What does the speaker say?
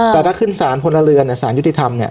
แต่ถ้าขึ้นสารพลเรือนสารยุติธรรมเนี่ย